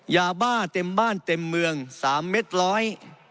ยาบ้าเต็มบ้านเต็มเมืองสามเม็ดร้อย